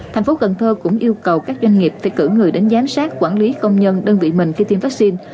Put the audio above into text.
thành phố cần thơ cũng yêu cầu các doanh nghiệp phải cử người đến giám sát quản lý công nhân đơn vị mình khi tiêm vaccine